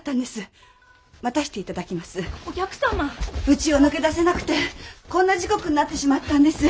うちを抜け出せなくてこんな時刻になってしまったんです。